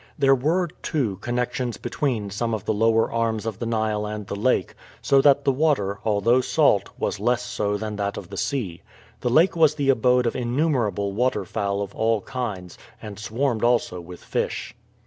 There were, too, connections between some of the lower arms of the Nile and the lake, so that the water, although salt, was less so than that of the sea. The lake was the abode of innumerable waterfowl of all kinds, and swarmed also with fish.